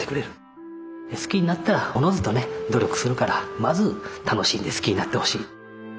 好きになったらおのずとね努力するからまず楽しんで好きになってほしい。